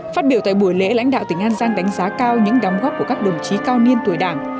phát biểu tại buổi lễ lãnh đạo tỉnh an giang đánh giá cao những đóng góp của các đồng chí cao niên tuổi đảng